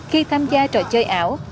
khi tham gia trò chơi ảo